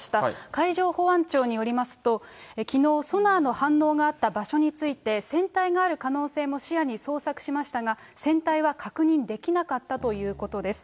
海上保安庁によりますと、きのう、ソナーの反応があった場所について、船体がある可能性も視野に捜索しましたが、船体は確認できなかったということです。